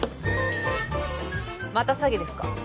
また詐欺ですか？